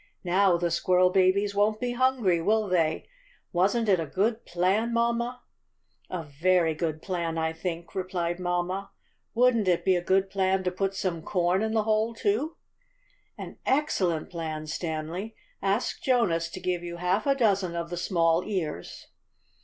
"Now the squirrel babies won't be hungry, will they? Wasn't it a good plan, mamma?" "A very good plan, I think," replied mamma. "Wouldn't it be a good plan to put some corn in the hole, too?" "An excellent plan, Stanley. Ask Jonas to give you half a dozen of the small ears."